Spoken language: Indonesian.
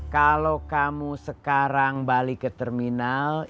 kalau kamu sekarang balik ke terminal